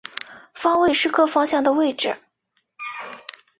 方位是各方向的位置。